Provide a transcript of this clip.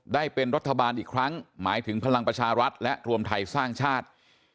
ได้เป็นรัฐบาลอีกครั้งหมายถึงพลังประชารัฐและรวมไทยสร้างชาติ